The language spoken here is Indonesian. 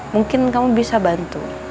mungkin kamu bisa bantu